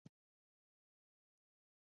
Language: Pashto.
عربو ورته د ایش کال نوم هم ورکړی.